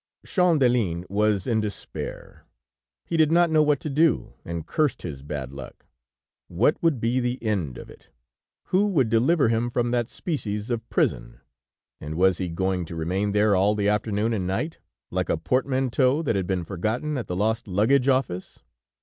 Champdelin was in despair; he did not know what to do, and cursed his bad luck. What would be the end of it? Who would deliver him from that species of prison, and was he going to remain there all the afternoon and night, like a portmanteau that had been forgotten at the lost luggage office?